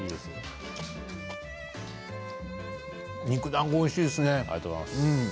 肉だんご、おいしいですね。